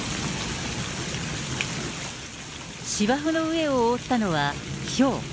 芝生の上を覆ったのはひょう。